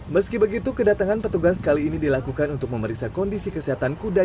meski begitu kedatangan petugas kali ini dilakukan untuk memeriksa kondisi kesehatan kuda